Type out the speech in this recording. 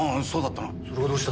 それがどうしたんだ？